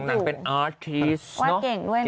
หนังเป็นออร์ติสเราเก่งด้วยเนอะ